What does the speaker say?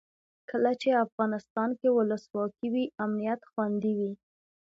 کله چې افغانستان کې ولسواکي وي امنیت خوندي وي.